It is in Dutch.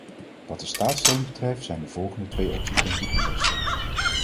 Wat de staatssteun betreft zijn de volgende twee opties denk ik de beste.